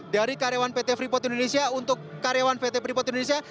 dari karyawan pt freeport indonesia untuk karyawan pt freeport indonesia